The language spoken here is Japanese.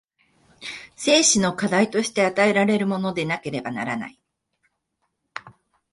生死の課題として与えられるものでなければならない。